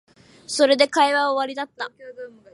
それで会話は終わりだった